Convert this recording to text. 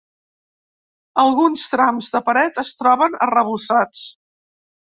Alguns trams de paret es troben arrebossats.